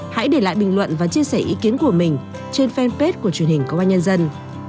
hãy để lại bình luận và chia sẻ ý kiến của mình trên fanpage của truyền hình công an nhân dân